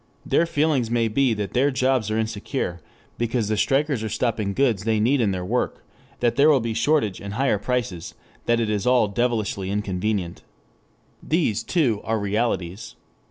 Their feelings may be that their jobs are insecure because the strikers are stopping goods they need in their work, that there will be shortage and higher prices, that it is all devilishly inconvenient. These, too, are realities.